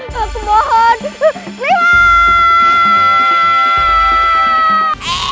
jangan bunuh aku